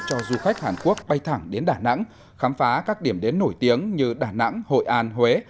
cho du khách hàn quốc bay thẳng đến đà nẵng khám phá các điểm đến nổi tiếng như đà nẵng hội an huế